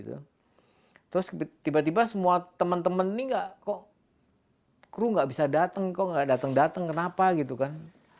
terus tiba tiba semua teman teman ini kok kru gak bisa datang kok nggak datang datang kenapa gitu kan